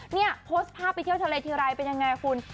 เนี่ยโพสต์ภาพไปเที่ยวทะเลทีไรเป็นยังไงคุณ